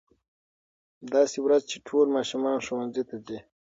داسې ورځ چې ټول ماشومان ښوونځي ته ځي.